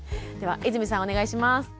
では泉さんお願いします。